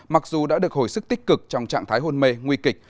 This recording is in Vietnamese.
mặc dù đã được hồi sức tích cực trong trạng thái hôn mê nguy kịch